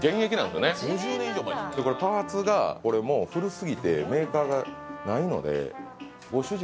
でこれパーツがもう古すぎてメーカーがないので。